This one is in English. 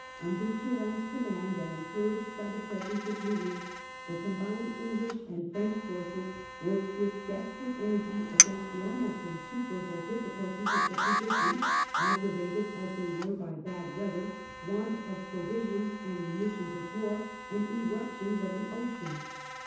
Under Turcnne's command, and encouraged by the presence of Louis, the combined English and French forces worked with desperate energy against the almost insuperable difficulties of the position, aggravated as they were by bad weather, want of provisions and munitions of war, and irruptions of the ocean.